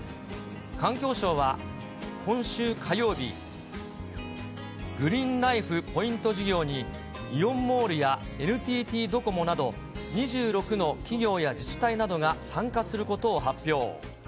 環境省は今週火曜日、グリーンライフ・ポイント事業に、イオンモールやＮＴＴドコモなど、２６の企業や自治体などが参加することを発表。